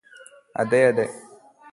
അതേയതേ